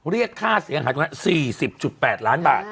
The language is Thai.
เลือกค่าเสียงกัน๔๐๘ล้านบาท